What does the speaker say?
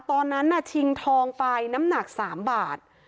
ตอนนั้นชิงทองไปน้ำหนัก๓บาท